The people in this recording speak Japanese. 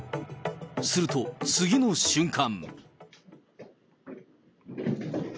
すると、次の瞬間。